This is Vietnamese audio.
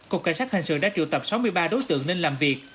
cục cảnh sát hình sự đã triệu tập sáu mươi ba đối tượng nên làm việc